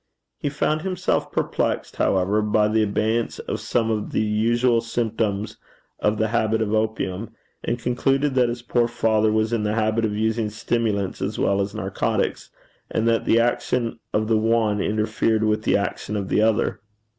He found himself perplexed, however, by the absence of some of the usual symptoms of the habit of opium, and concluded that his poor father was in the habit of using stimulants as well as narcotics, and that the action of the one interfered with the action of the other.